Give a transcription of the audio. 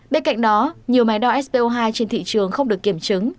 bên cạnh đó nhiều máy đo sb hai trên thị trường không được kiểm chứng